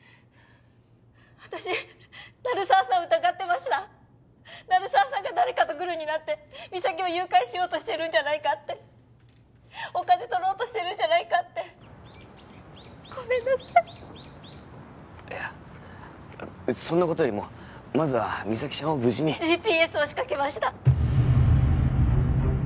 私鳴沢さんを疑ってました鳴沢さんが誰かとグルになって実咲を誘拐しようとしてるんじゃないかってお金取ろうとしてるんじゃないかって☎ごめんなさいいやそんなことよりもまずは実咲ちゃんを無事にＧＰＳを仕掛けました